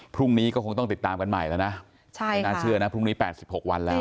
พรุ่งนี้ก็คงต้องติดตามกันใหม่แล้วนะใช่ค่ะเป็นน่าเชื่อนะพรุ่งนี้แปดสิบหกวันแล้ว